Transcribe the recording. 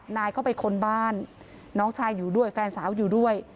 นายก็ไปค้นบ้านน้องชายอยู่ด้วยแฟนสาวอยู่ด้วย